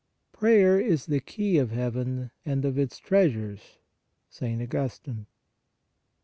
Prayer is the key of heaven and of its treas ures (St. Augustine).